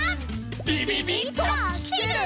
びびびっときてる？